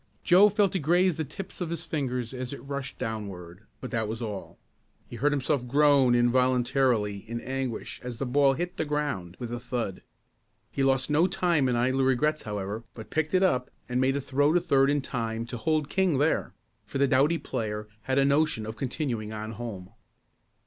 Joe felt it graze the tips of his fingers as it rushed downward but that was all. He heard himself groan involuntarily in anguish as the ball hit the ground with a thud. He lost no time in idle regrets however, but picked it up and made a throw to third in time to hold King there, for the doughty player had a notion of continuing on home.